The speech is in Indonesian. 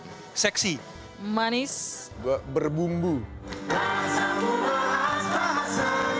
nah kalau kita bisa lihat pendewasaan mungkin kita bisa lihat pendewasaan